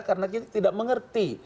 karena kita tidak mengerti